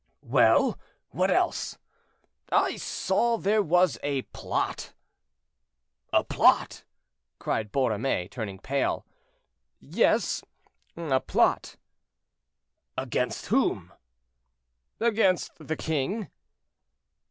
"Well, what else?" "I saw that there was a plot." "A plot!" cried Borromée, turning pale. "Yes, a plot." "Against whom?" "Against the king."